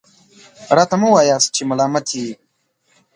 راته مه وایاست چې ملامت یې .